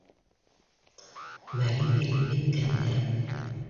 Мәле килеп еткәнде